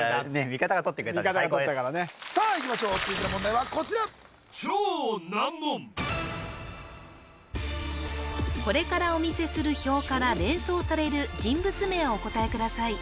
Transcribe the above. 味方が取ったからねさあいきましょう続いての問題はこちらこれからお見せする表から連想される人物名をお答えください